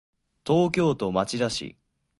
東京都町田市